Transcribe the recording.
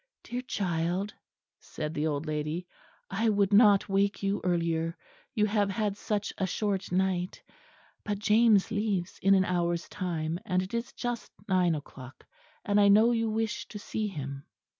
"Dear child," said the old lady, "I would not wake you earlier; you have had such a short night; but James leaves in an hour's time; and it is just nine o'clock, and I know you wish to see him."